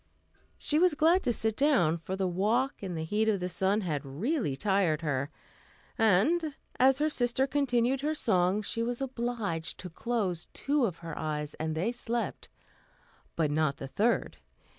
She was glad to sit down, for the walk and the heat of the sun had really tired her; and, as her sister continued her song, she was obliged to close two of her eyes, and they slept, but not the third.